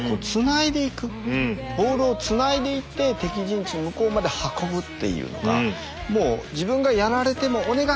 ボールをつないでいって敵陣地向こうまで運ぶっていうのがもう自分がやられてもお願い！